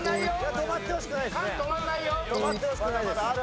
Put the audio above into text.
止まってほしくないです。